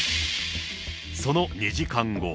その２時間後。